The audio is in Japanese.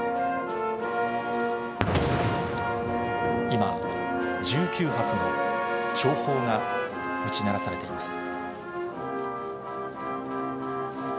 今、１９発の弔砲が撃ち鳴らされています。